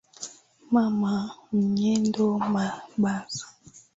Mama huenda mombasa